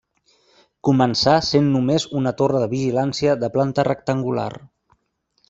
Començà sent només una torre de vigilància de planta rectangular.